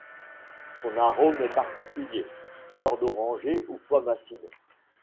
Son arôme est particulier, fleur d'oranger ou pomme acide.